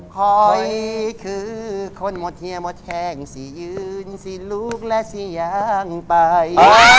คอยคือคนหมดเฮียหมดแห้งสิยืนสิลูกและสี่อย่างไป